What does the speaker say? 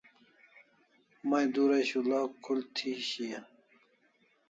May dura shul'a khul thi shian